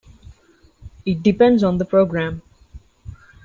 It depends on the programme.